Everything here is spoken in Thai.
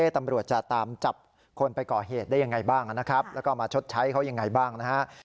ตำรวจจะตามจับคนไปก่อเหตุได้ยังไงบ้างนะครับแล้วก็มาชดใช้เขายังไงบ้างนะฮะ